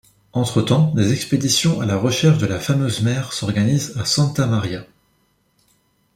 Entretemps, des expéditions à la recherche de la fameuse mer s'organisent à Santa María.